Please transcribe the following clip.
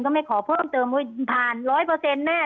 ไม่ขอเพิ่มเติมว่าผ่าน๑๐๐แน่